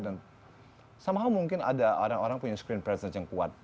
dan sama hal mungkin ada orang orang punya screen presence yang kuat